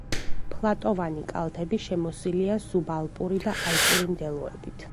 ფლატოვანი კალთები შემოსილია სუბალპური და ალპური მდელოებით.